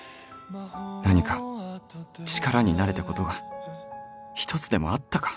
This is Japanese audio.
何か力になれたことが一つでもあったか？